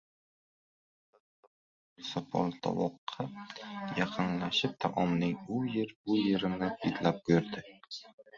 Pixpix Chandr sopol tovoqqa yaqinlashib, taomning u yer-bu yerini hidlab ko‘rdi